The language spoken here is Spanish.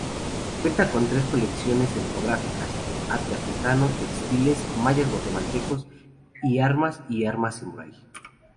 Cuenta con tres colecciones etnográficas: arte africano, textiles mayas-guatemaltecos y armas y armaduras samurái.